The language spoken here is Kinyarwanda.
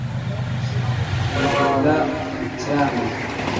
yihinda mu kirambi